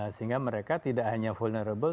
sehingga mereka tidak hanya vulnerable